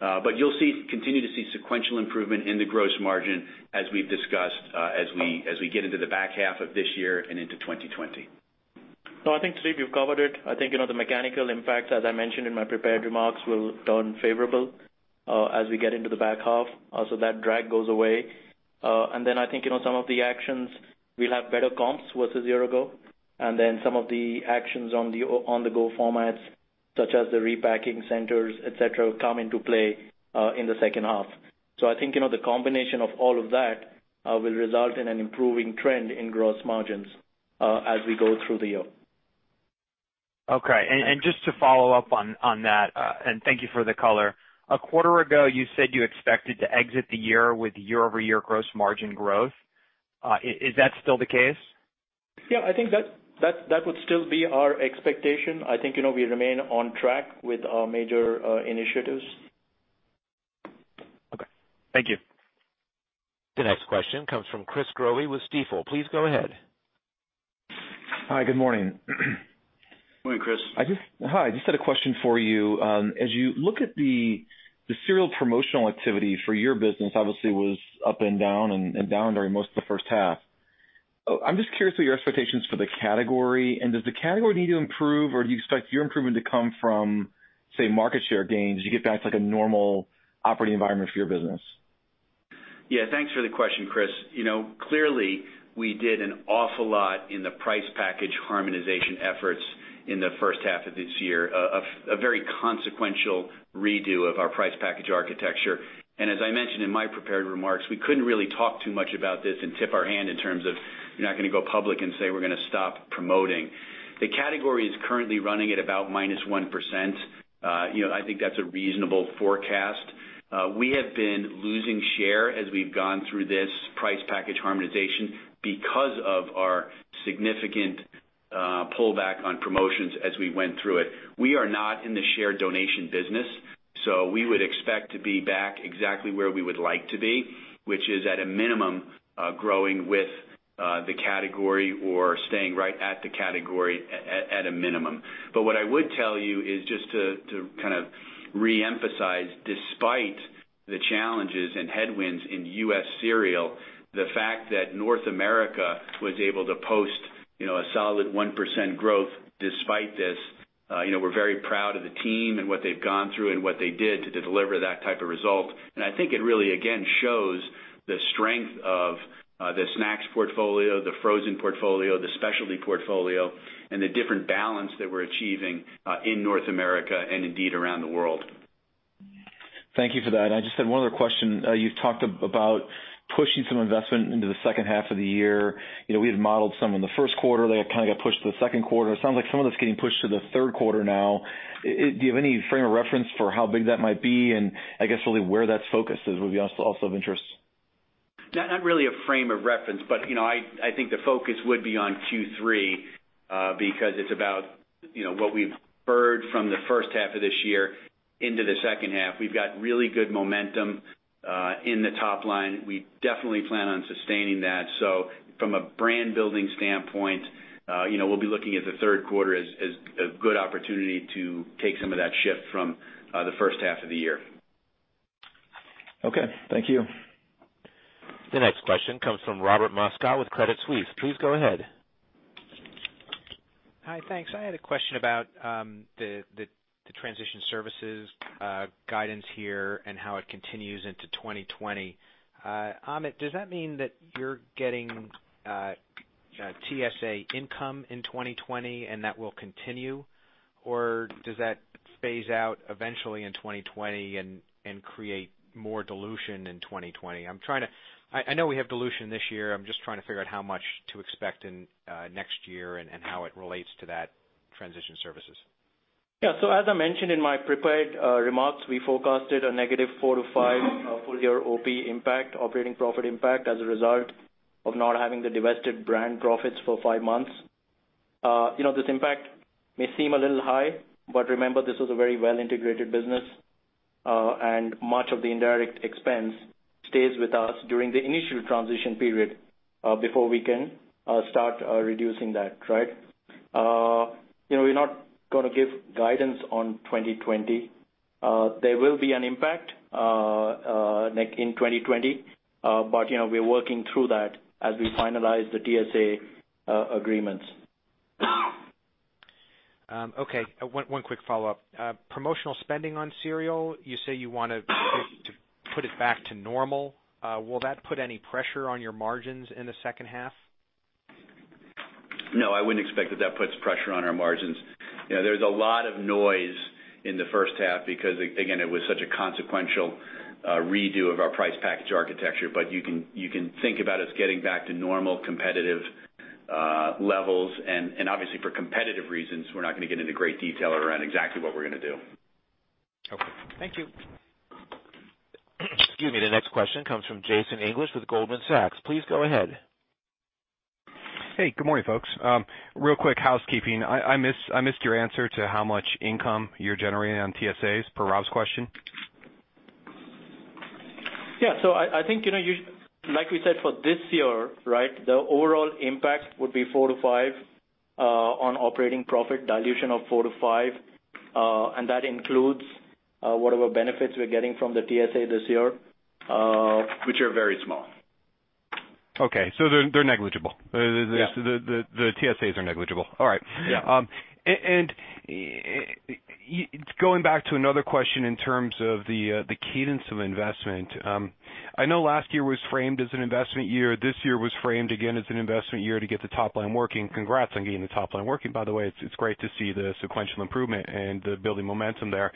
You'll continue to see sequential improvement in the gross margin as we've discussed, as we get into the back half of this year and into 2020. No, I think, Steve, you've covered it. I think, the mechanical impact, as I mentioned in my prepared remarks, will turn favorable as we get into the back half. That drag goes away. I think, some of the actions, we'll have better comps versus a year ago, and then some of the actions on the on-the-go formats, such as the repacking centers, et cetera, will come into play in the second half. I think, the combination of all of that, will result in an improving trend in gross margins as we go through the year. Okay. Just to follow up on that, and thank you for the color. A quarter ago, you said you expected to exit the year with year-over-year gross margin growth. Is that still the case? Yeah, I think that would still be our expectation. I think, we remain on track with our major initiatives. Okay. Thank you. The next question comes from Chris Growe with Stifel. Please go ahead. Hi, good morning. Good morning, Chris. Hi. I just had a question for you. As you look at the cereal promotional activity for your business, obviously was up and down during most of the first half. I'm just curious what your expectations for the category. Does the category need to improve, or do you expect your improvement to come from, say, market share gains as you get back to a normal operating environment for your business? Yeah, thanks for the question, Chris. Clearly, we did an awful lot in the price package harmonization efforts in the first half of this year, a very consequential redo of our price package architecture. As I mentioned in my prepared remarks, we couldn't really talk too much about this and tip our hand in terms of we're not going to go public and say we're going to stop promoting. The category is currently running at about -1%. I think that's a reasonable forecast. We have been losing share as we've gone through this price package harmonization because of our significant pullback on promotions as we went through it. We are not in the share donation business, we would expect to be back exactly where we would like to be, which is at a minimum, growing with the category or staying right at the category at a minimum. What I would tell you is just to kind of reemphasize, despite the challenges and headwinds in U.S. cereal, the fact that North America was able to post a solid 1% growth despite this, we're very proud of the team and what they've gone through and what they did to deliver that type of result. I think it really, again, shows the strength of the snacks portfolio, the frozen portfolio, the specialty portfolio, and the different balance that we're achieving in North America and indeed around the world. Thank you for that. I just had one other question. You've talked about pushing some investment into the second half of the year. We had modeled some in the first quarter, they kind of got pushed to the second quarter. It sounds like some of that's getting pushed to the third quarter now. Do you have any frame of reference for how big that might be? I guess really where that's focused would be also of interest. Not really a frame of reference. I think the focus would be on Q3, because it's about what we've heard from the first half of this year into the second half. We've got really good momentum in the top line. We definitely plan on sustaining that. From a brand building standpoint, we'll be looking at the third quarter as a good opportunity to take some of that shift from the first half of the year. Okay, thank you. The next question comes from Robert Moskow with Credit Suisse. Please go ahead. Hi, thanks. I had a question about the transition services guidance here and how it continues into 2020. Amit, does that mean that you're getting TSA income in 2020 and that will continue? Does that phase out eventually in 2020 and create more dilution in 2020? I know we have dilution this year. I'm just trying to figure out how much to expect next year and how it relates to that transition services. Yeah. As I mentioned in my prepared remarks, we forecasted a negative 4 to 5 full-year OP impact, operating profit impact as a result of not having the divested brand profits for five months. This impact may seem a little high, remember, this was a very well-integrated business, and much of the indirect expense stays with us during the initial transition period, before we can start reducing that. We're not going to give guidance on 2020. There will be an impact in 2020, we're working through that as we finalize the TSA agreements. Okay. One quick follow-up. Promotional spending on cereal, you say you want to put it back to normal. Will that put any pressure on your margins in the second half? No, I wouldn't expect that puts pressure on our margins. There's a lot of noise in the first half because, again, it was such a consequential redo of our price package architecture. You can think about us getting back to normal competitive levels, and obviously for competitive reasons, we're not going to get into great detail around exactly what we're going to do. Okay. Thank you. Excuse me. The next question comes from Jason English with Goldman Sachs. Please go ahead. Hey, good morning, folks. Real quick housekeeping. I missed your answer to how much income you're generating on TSAs per Rob's question. I think, like we said for this year, the overall impact would be four to five on operating profit dilution of four to five. That includes whatever benefits we're getting from the TSA this year, which are very small. Okay. They're negligible. Yeah. The TSAs are negligible. All right. Yeah. Going back to another question in terms of the cadence of investment. I know last year was framed as an investment year. This year was framed again as an investment year to get the top line working. Congrats on getting the top line working, by the way. It's great to see the sequential improvement and the building momentum there.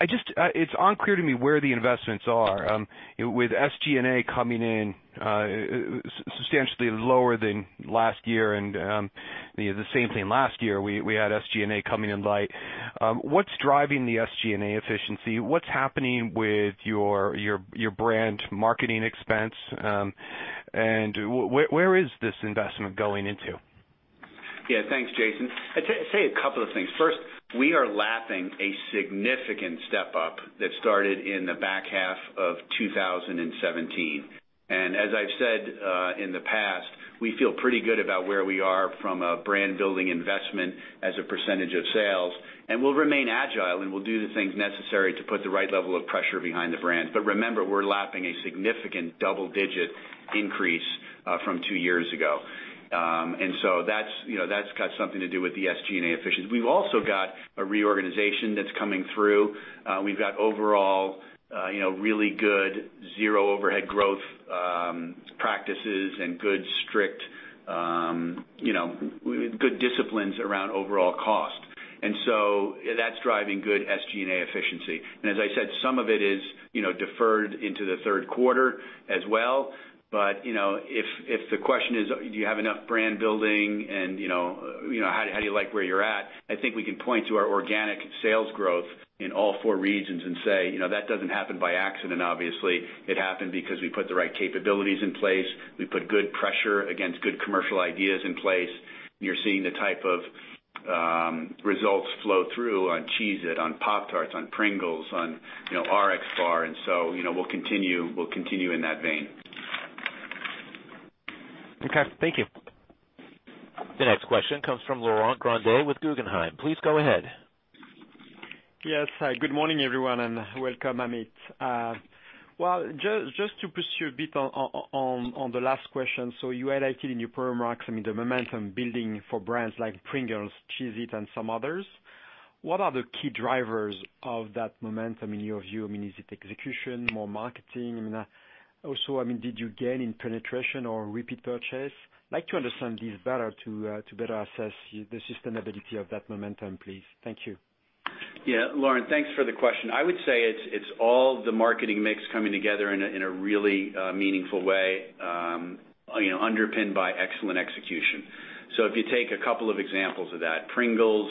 It's unclear to me where the investments are. With SG&A coming in substantially lower than last year and the same thing last year, we had SG&A coming in light. What's driving the SG&A efficiency? What's happening with your brand marketing expense? Where is this investment going into? Yeah, thanks, Jason. I'd say a couple of things. First, we are lapping a significant step up that started in the back half of 2017. As I've said in the past, we feel pretty good about where we are from a brand building investment as a % of sales, and we'll remain agile, and we'll do the things necessary to put the right level of pressure behind the brand. Remember, we're lapping a significant double-digit increase from two years ago. That's got something to do with the SG&A efficiency. We've also got a reorganization that's coming through. We've got overall really good zero overhead growth practices and good strict disciplines around overall cost. That's driving good SG&A efficiency. As I said, some of it is deferred into the third quarter as well. If the question is, do you have enough brand building and how do you like where you're at, I think we can point to our organic sales growth in all four regions and say, that doesn't happen obviously. It happened because we put the right capabilities in place. We put good pressure against good commercial ideas in place. You're seeing the type of results flow through on Cheez-It, on Pop-Tarts, on Pringles, on RXBAR. We'll continue in that vein. Okay. Thank you. The next question comes from Laurent Grandet with Guggenheim. Please go ahead. Yes. Good morning, everyone, and welcome, Amit. Well, just to pursue a bit on the last question. You highlighted in your remarks, the momentum building for brands like Pringles, Cheez-It, and some others. What are the key drivers of that momentum in your view? Is it execution, more marketing? Also, did you gain in penetration or repeat purchase? Like to understand this better to better assess the sustainability of that momentum, please. Thank you. Yeah. Laurent, thanks for the question. I would say it's all the marketing mix coming together in a really meaningful way, underpinned by excellent execution. If you take a couple of examples of that, Pringles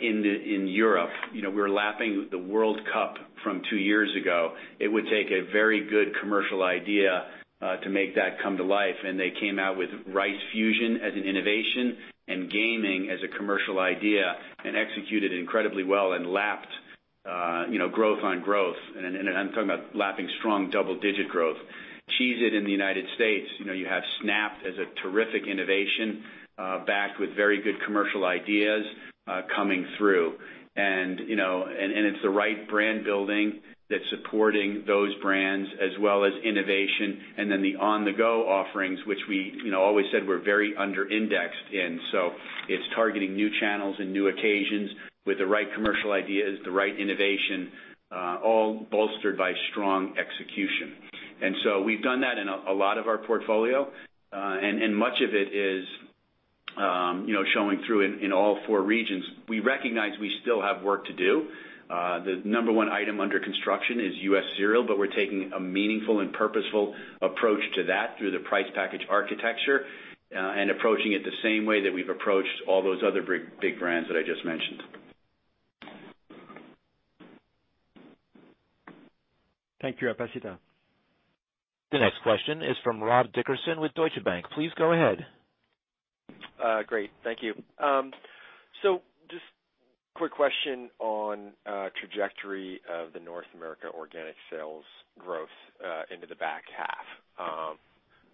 in Europe, we're lapping the World Cup from two years ago. It would take a very good commercial idea to make that come to life, and they came out with Rice Fusion as an innovation and gaming as a commercial idea and executed incredibly well and lapped growth on growth. I'm talking about lapping strong double-digit growth. Cheez-It in the United States. You have Snap'd as a terrific innovation, backed with very good commercial ideas coming through. It's the right brand building that's supporting those brands as well as innovation, and then the on-the-go offerings, which we always said we're very under-indexed in. It's targeting new channels and new occasions with the right commercial ideas, the right innovation, all bolstered by strong execution. We've done that in a lot of our portfolio, and much of it is showing through in all four regions. We recognize we still have work to do. The number 1 item under construction is US Cereal, but we're taking a meaningful and purposeful approach to that through the price package architecture, and approaching it the same way that we've approached all those other big brands that I just mentioned. Thank you, I'll pass it on. The next question is from Rob Dickerson with Deutsche Bank. Please go ahead. Great. Thank you. Just quick question on trajectory of the North America organic sales growth into the back half.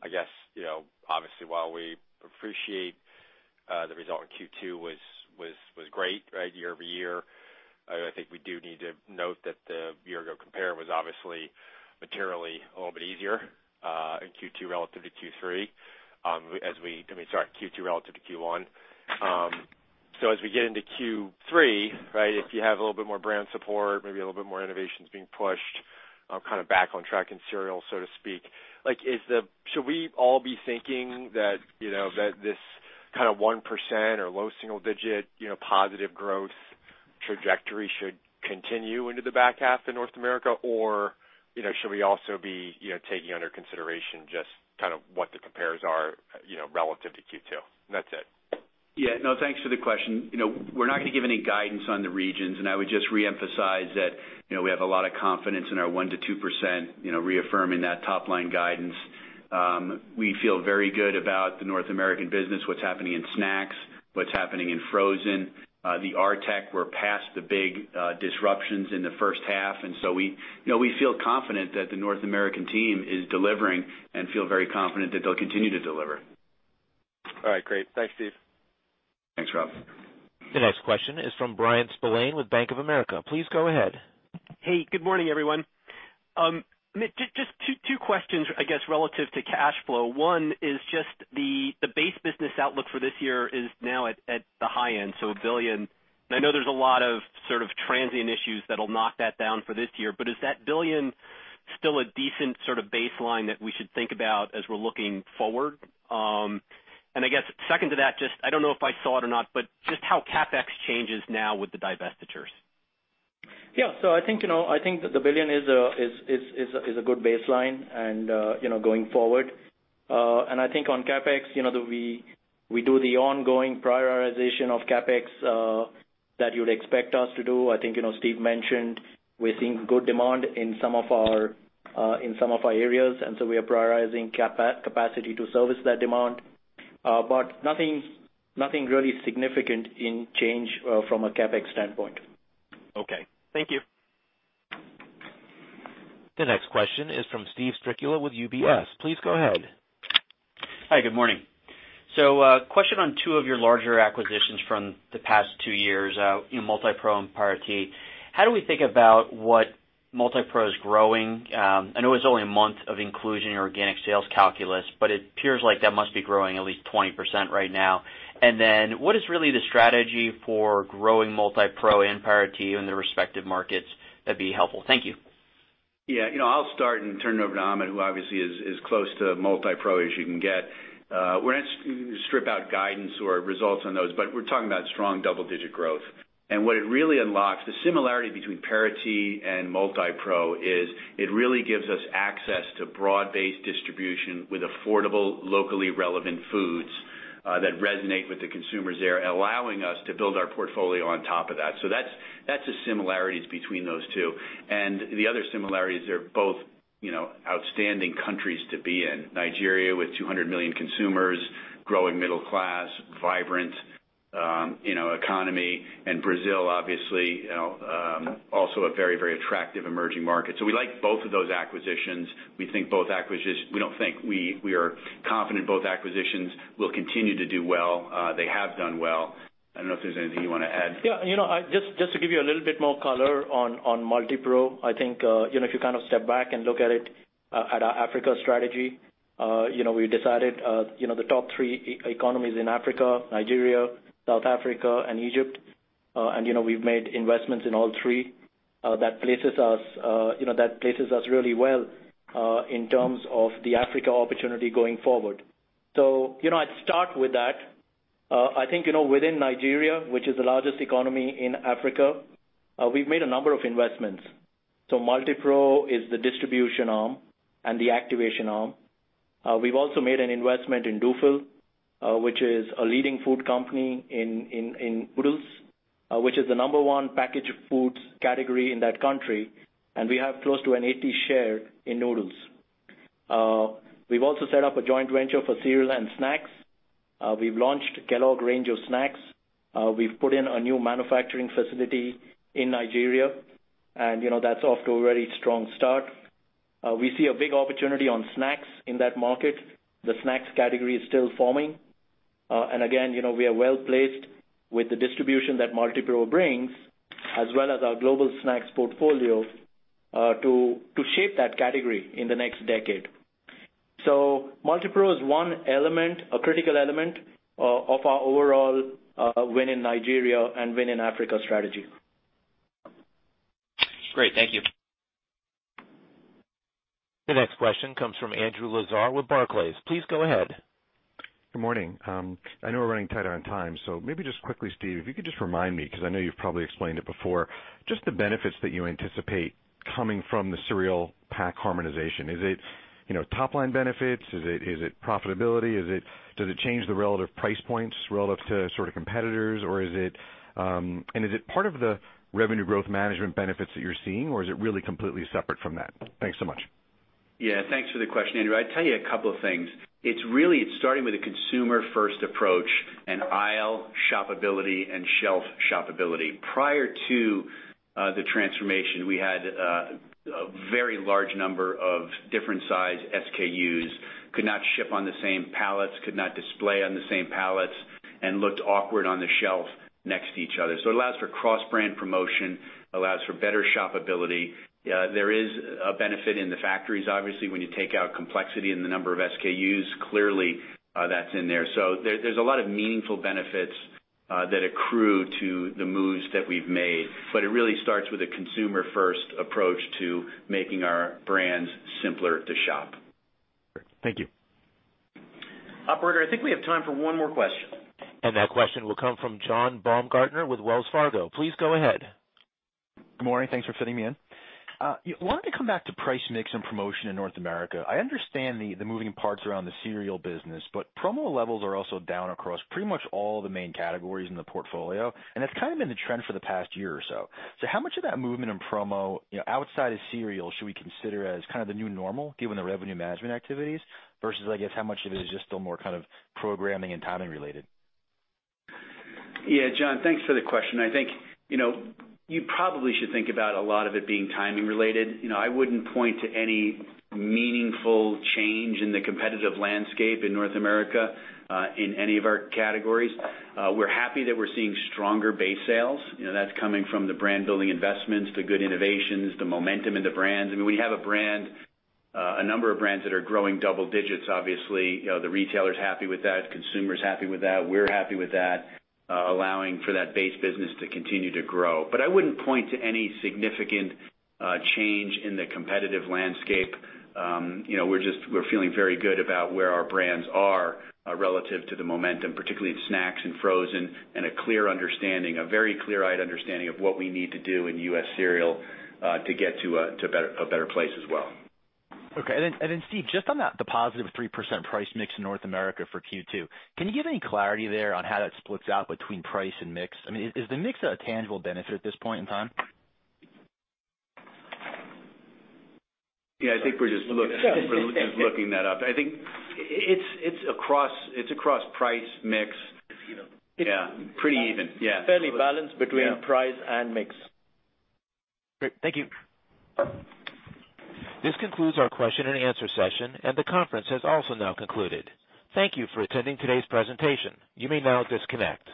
I guess, obviously, while we appreciate the result in Q2 was great year-over-year, I think we do need to note that the year ago compare was obviously materially a little bit easier, in Q2 relative to Q1. As we get into Q3, if you have a little bit more brand support, maybe a little bit more innovations being pushed, back on track in cereal, so to speak, should we all be thinking that this kind of 1% or low single-digit positive growth trajectory should continue into the back half in North America? Should we also be taking under consideration just what the compares are relative to Q2? That's it. Yeah. No, thanks for the question. We're not going to give any guidance on the regions, and I would just reemphasize that we have a lot of confidence in our 1% to 2%, reaffirming that top-line guidance. We feel very good about the North American business, what's happening in snacks, what's happening in frozen. The R tech, we're past the big disruptions in the first half, and so we feel confident that the North American team is delivering and feel very confident that they'll continue to deliver. All right, great. Thanks, Steve. Thanks, Rob. The next question is from Bryan Spillane with Bank of America. Please go ahead. Hey, good morning, everyone. Just two questions, I guess, relative to cash flow. One is just the base business outlook for this year is now at the high end, so $1 billion. I know there's a lot of sort of transient issues that'll knock that down for this year. Is that $1 billion still a decent sort of baseline that we should think about as we're looking forward? I guess second to that, I don't know if I saw it or not, but just how CapEx changes now with the divestitures. Yeah. I think the billion is a good baseline and going forward. I think on CapEx, we do the ongoing prioritization of CapEx that you would expect us to do. I think Steve mentioned we're seeing good demand in some of our areas, and so we are prioritizing capacity to service that demand. Nothing really significant in change from a CapEx standpoint. Okay. Thank you. The next question is from Steven Strycula with UBS. Please go ahead. Hi, good morning. A question on two of your larger acquisitions from the past two years, Multipro and Parati. How do we think about what Multipro is growing? I know it's only a month of inclusion in your organic sales calculus, but it appears like that must be growing at least 20% right now. What is really the strategy for growing Multipro and Parati in their respective markets? That'd be helpful. Thank you. Yeah. I'll start and turn it over to Amit, who obviously is close to Multipro as you can get. We're not stripping out guidance or results on those, but we're talking about strong double-digit growth. What it really unlocks, the similarity between Parati and Multipro is it really gives us access to broad-based distribution with affordable, locally relevant foods that resonate with the consumers there, allowing us to build our portfolio on top of that. That's the similarities between those two. The other similarities, they're both outstanding countries to be in. Nigeria with 200 million consumers, growing middle class, vibrant economy, and Brazil, obviously, also a very attractive emerging market. We like both of those acquisitions. We are confident both acquisitions will continue to do well. They have done well. I don't know if there's anything you want to add. Yeah. Just to give you a little bit more color on Multipro, I think, if you kind of step back and look at it at our Africa strategy, we decided the top 3 economies in Africa, Nigeria, South Africa and Egypt, and we've made investments in all 3. That places us really well in terms of the Africa opportunity going forward. I'd start with that. I think within Nigeria, which is the largest economy in Africa, we've made a number of investments. Multipro is the distribution arm and the activation arm. We've also made an investment in Dufil, which is a leading food company in noodles, which is the number 1 packaged foods category in that country, and we have close to an 80 share in noodles. We've also set up a joint venture for cereal and snacks. We've launched Kellogg range of snacks. We've put in a new manufacturing facility in Nigeria, and that's off to a very strong start. We see a big opportunity on snacks in that market. The snacks category is still forming. Again, we are well-placed with the distribution that Multipro brings, as well as our global snacks portfolio, to shape that category in the next decade. Multipro is one element, a critical element, of our overall win in Nigeria and win in Africa strategy. Great. Thank you. The next question comes from Andrew Lazar with Barclays. Please go ahead. Good morning. I know we're running tighter on time, so maybe just quickly, Steve, if you could just remind me, because I know you've probably explained it before, just the benefits that you anticipate coming from the cereal pack harmonization. Is it top-line benefits? Is it profitability? Does it change the relative price points relative to competitors, is it part of the revenue growth management benefits that you're seeing, or is it really completely separate from that? Thanks so much. Yeah, thanks for the question, Andrew. I'd tell you a couple of things. It's starting with a consumer-first approach and aisle shoppability and shelf shoppability. Prior to the transformation, we had a very large number of different size SKUs, could not ship on the same pallets, could not display on the same pallets, and looked awkward on the shelf next to each other. It allows for cross-brand promotion, allows for better shoppability. There is a benefit in the factories, obviously, when you take out complexity in the number of SKUs. Clearly, that's in there. There's a lot of meaningful benefits that accrue to the moves that we've made, but it really starts with a consumer-first approach to making our brands simpler to shop. Thank you. Operator, I think we have time for one more question. That question will come from John Baumgartner with Wells Fargo. Please go ahead. Good morning. Thanks for fitting me in. I wanted to come back to price mix and promotion in North America. I understand the moving parts around the cereal business, but promo levels are also down across pretty much all the main categories in the portfolio, and that's kind of been the trend for the past year or so. How much of that movement in promo, outside of cereal, should we consider as kind of the new normal given the revenue management activities versus, I guess, how much of it is just still more kind of programming and timing related? Yeah, John, thanks for the question. I think you probably should think about a lot of it being timing related. I wouldn't point to any meaningful change in the competitive landscape in North America, in any of our categories. We're happy that we're seeing stronger base sales. That's coming from the brand building investments, the good innovations, the momentum in the brands. I mean, we have a number of brands that are growing double digits. Obviously, the retailer's happy with that, consumer's happy with that, we're happy with that, allowing for that base business to continue to grow. I wouldn't point to any significant change in the competitive landscape. We're feeling very good about where our brands are relative to the momentum, particularly in snacks and frozen, and a clear understanding, a very clear-eyed understanding of what we need to do in U.S. cereal to get to a better place as well. Okay. Steve, just on that, the positive 3% price mix in North America for Q2, can you give any clarity there on how that splits out between price and mix? I mean, is the mix a tangible benefit at this point in time? Yeah, I think we're just looking that up. I think it's across price, mix. Yeah, pretty even, yeah. Fairly balanced between price and mix. Great. Thank you. This concludes our question and answer session, and the conference has also now concluded. Thank you for attending today's presentation. You may now disconnect.